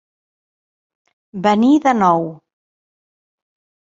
Venir de nou.